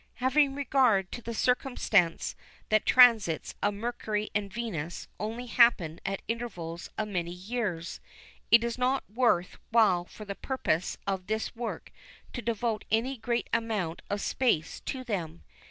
Having regard to the circumstance that transits of Mercury and Venus only happen at intervals of many years, it is not worth while for the purposes of this work to devote any great amount of space to them.